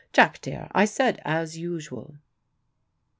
Jack dear, I said 'as usual.'"